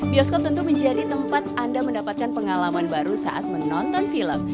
bioskop tentu menjadi tempat anda mendapatkan pengalaman baru saat menonton film